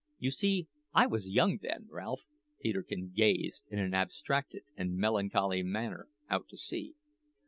You see I was young then, Ralph." Peterkin gazed, in an abstracted and melancholy manner, out to sea.